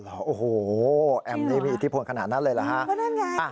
โอ้โหแอมนี่มีอิทธิปนิกขนาดนั้นเลยเหรอฮะ